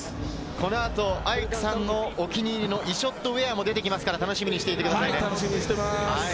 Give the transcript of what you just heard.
この後、アイクさんのお気に入りのイショッド・ウェアも出てきますから楽しみにしていてくださいね。